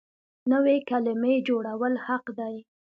نوې کلمې جوړول حق دی.